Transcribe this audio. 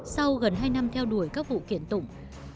sau gần hai năm theo đuổi các vụ kiện tụng